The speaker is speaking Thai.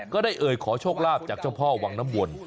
เอ่ยขอโชคลาภจากเจ้าพ่อวังน้ำวน